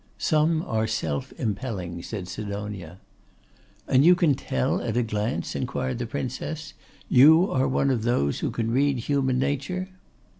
'Some are self impelling,' said Sidonia. 'And you can tell at a glance?' inquired the Princess. 'You are one of those who can read human nature?